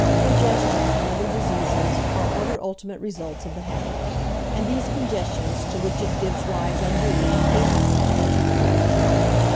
Congestion and other diseases are other ultimate results of the habit; and these congestions to which it gives rise unduly hasten the advent of puberty.